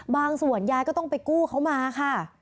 บางส่วนยายก็ต้องไปกู้เขามาค่ะ